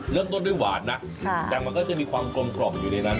เริ่มต้นด้วยหวานนะแต่มันก็จะมีความกลมกล่อมอยู่ในนั้น